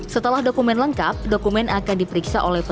setelah dokumen lengkap dokumen akan diperiksa oleh penyidik